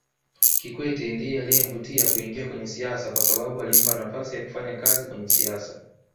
Kikwete ndiye aliyemvutia kuingia kwenye siasa kwasababu alimpa nafasi ya kufanya kazi kwenye siasa